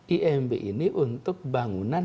imb ini untuk bangunan